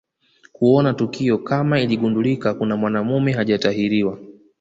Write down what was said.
Kuona tukio kama iligundulika kuna mwanamume hajatahiriwa